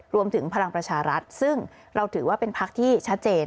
พลังประชารัฐซึ่งเราถือว่าเป็นพักที่ชัดเจน